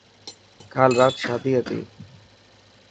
ڪال رات شادي هتي.